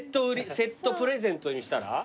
セットプレゼントにしたら？